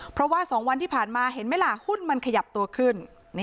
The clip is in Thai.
เพราะว่า๒วันที่ผ่านมาเห็นไหมล่ะหุ้นมันขยับตัวขึ้น